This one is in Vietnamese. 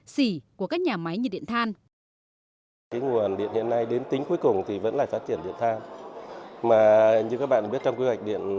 xỉ của các nhà máy nhiệt điện than